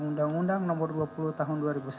undang undang nomor dua puluh tahun dua ribu sembilan